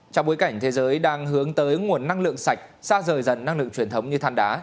trong bối cảnh thế giới đang hướng tới nguồn năng lượng sạch xa rời dần năng lượng truyền thống như than đá